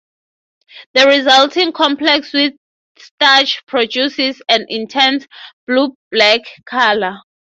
The resulting complex with starch produces an intense "blue-black" colour.